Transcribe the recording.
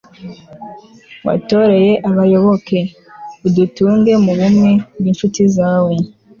watoreye abayoboke, udutunge mu bumwe bw'incuti zawe